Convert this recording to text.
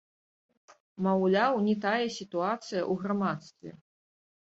Маўляў, не тая сітуацыя ў грамадстве.